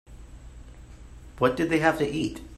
What did they have to eat?